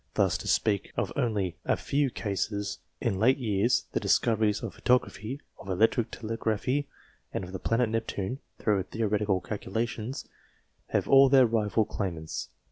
Thus, to speak of only a few cases in late years, the discoveries of photography, of electric telegraphy, and of the planet Neptune through theoretical calculations, have all their rival claimants.